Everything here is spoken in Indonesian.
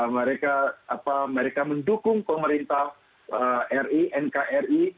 mereka mendukung pemerintah ri nkri